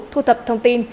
thu thập thông tin